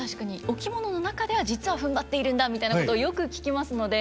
「お着物の中では実はふんばっているんだ」みたいなことをよく聞きますので。